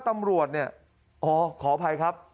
ตำรวจเนี่ยอ๋อขออภัยครับ